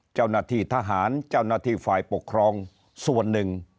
เจ้าหน้าที่ทหารเจ้าหน้าที่ฝ่ายปกครองส่วนหนึ่ง